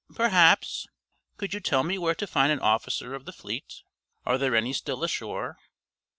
"Perhaps. Could you tell me where to find an officer of the fleet? Are there any still ashore?"